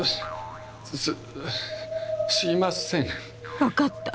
分かった。